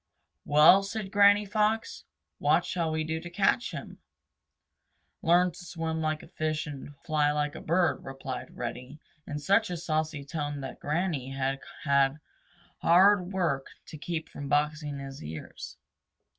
"Well," said Granny Fox, "what shall we do to catch him?" "Learn to swim like a fish and fly like a bird," replied Reddy in such a saucy tone that Granny had hard work to keep from boxing his ears.